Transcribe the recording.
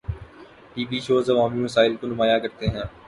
T V shows عوامی مسائل کو نمایاں کرتے ہیں۔